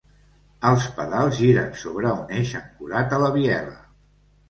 Els pedals giren sobre un eix ancorat a la biela.